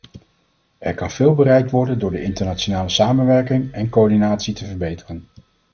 Er kan veel bereikt worden door de internationale samenwerking en coördinatie te verbeteren.